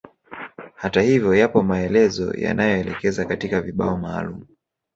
Hata hivyo yapo maelezo yanaoelekeza katika vibao maalumu